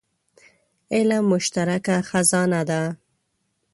علم مشترکه خزانه ده.